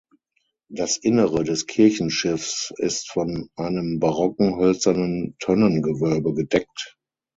Das Innere des Kirchenschiffs ist von einem barocken hölzernen Tonnengewölbe gedeckt.